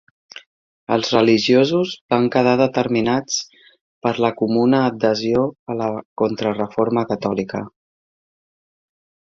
Els religiosos van quedar determinats per la comuna adhesió a la Contrareforma catòlica.